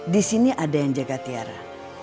di sini ada yang jaga tiara